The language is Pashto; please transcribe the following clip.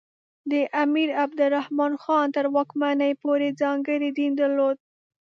د امیر عبدالرحمان خان تر واکمنۍ پورې ځانګړی دین درلود.